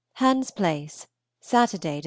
HANS PLACE, Saturday (Dec.